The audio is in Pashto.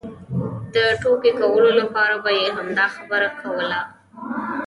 د ټوکې کولو لپاره به یې همدا خبره کوله.